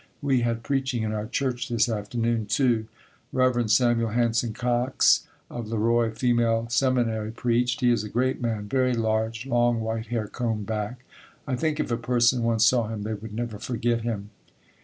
We had preaching in our church this afternoon, too. Rev. Samuel Hanson Cox, of Le Roy Female Seminary, preached. He is a great man, very large, long white hair combed back. I think if a person once saw him they would never forget him.